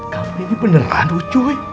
kamu ini beneran ucuy